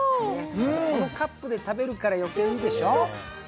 このカップで食べるからよけいにいいでしょう？